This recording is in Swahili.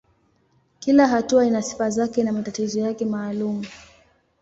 Kila hatua ina sifa zake na matatizo yake maalumu.